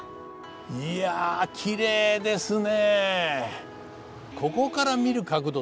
いやきれいですね。